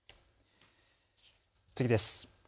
次です。